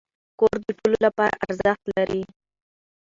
کور د ټولو لپاره ارزښت لري.